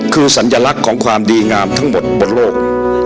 คือสัญลักษณ์ของความดีงามทั้งหมดบนโลก